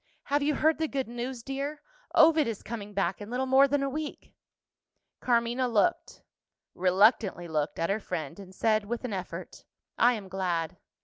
"Have you heard the good news, dear? Ovid is coming back in little more than a week." Carmina looked reluctantly looked at her friend, and said, with an effort, "I am glad."